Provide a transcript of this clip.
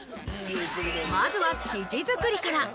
まずは生地作りから。